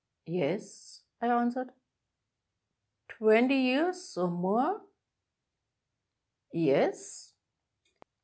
"Yes," I answered. "Twenty years, or more?" "Yes."